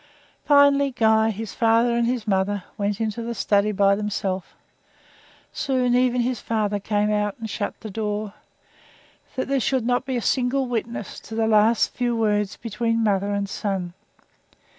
Finally, Guy, his father, and his mother went into the study by themselves. Soon even his father came out and shut the door, that there should be not a single witness to the last few words between mother and son.